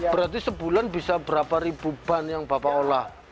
berarti sebulan bisa berapa ribu ban yang bapak olah